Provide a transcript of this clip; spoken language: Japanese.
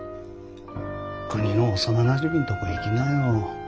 「くにの幼なじみんとこ行きなよ。